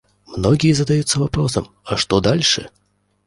Многие задаются вопросом: а что дальше?